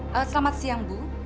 selamat siang bu